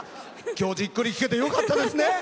今日、じっくり聴けてよかったですね。